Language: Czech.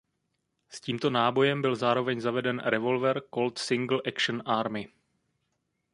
S tímto nábojem byl zároveň zaveden revolver Colt Single Action Army.